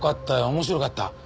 面白かった。